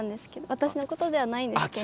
私のことではないんですけど。